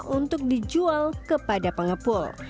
untuk dijual kepada pengepul